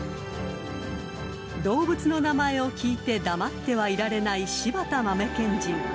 ［動物の名前を聞いて黙ってはいられない柴田豆賢人］